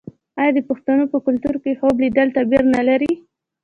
آیا د پښتنو په کلتور کې خوب لیدل تعبیر نلري؟